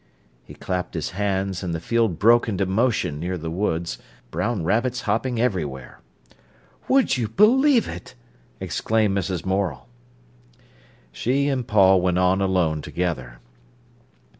He clapped his hands, and the field broke into motion near the woods, brown rabbits hopping everywhere. "Would you believe it!" exclaimed Mrs. Morel. She and Paul went on alone together.